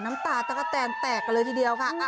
น้ำตาตะกะแตนแตกกันเลยทีเดียวค่ะ